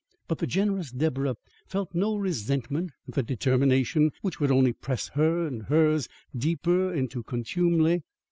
But the generous Deborah felt no resentment at the determination which would only press her and hers deeper into contumely.